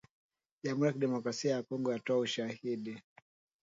Jamhuri ya Kidemokrasia ya Kongo yatoa ushahidi.